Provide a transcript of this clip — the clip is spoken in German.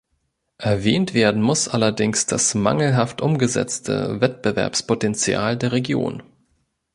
Erwähnt werden muss allerdings das mangelhaft umgesetzte Wettbewerbspotenzial der Region.